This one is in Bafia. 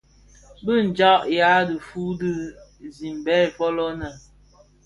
Bi djaň ya i dhufuu dhi simbèn fōlō nnë.